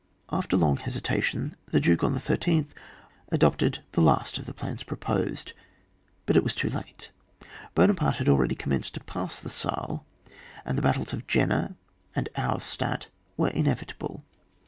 After long hesitation, the Duke on the 13th adopted the last of the plans pro« posed, but it was too late, Buonaparte had already commenced to pass the Saale, and the battles of Jena and Auerstadt were inevitable.